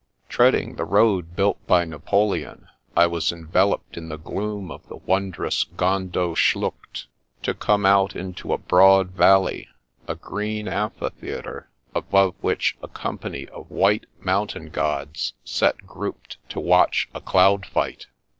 Tread ing the road built by Napoleon, I was enveloped in the gloom of the wondrous Gondo Schlucht, to come out into a broad valley, — b, green amphithe atre, above which a company of white, mountain gods sat grouped to watch a cloud fight.